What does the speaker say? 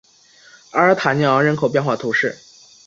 阿尔塔尼昂人口变化图示